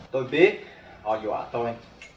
tôi biết họ dọa tôi